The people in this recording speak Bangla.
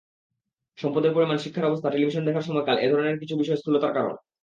সম্পদের পরিমাণ, শিক্ষার অবস্থা, টেলিভিশন দেখার সময়কাল—এ ধরনের কিছু বিষয় স্থূলতার কারণ।